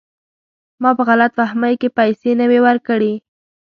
ما په غلط فهمۍ کې پیسې نه وې ورکړي.